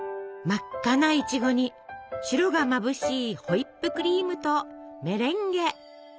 真っ赤ないちごに白がまぶしいホイップクリームとメレンゲ！